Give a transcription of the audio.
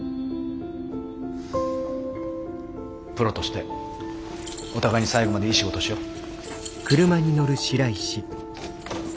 プロとしてお互いに最後までいい仕事をしよう。